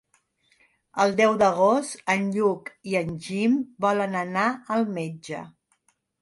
El deu d'agost en Lluc i en Guim volen anar al metge.